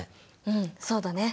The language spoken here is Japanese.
うんそうだね。